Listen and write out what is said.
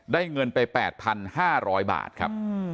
เงินไป๘๕๐๐บาทครับ